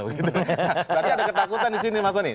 berarti ada ketakutan di sini mas tony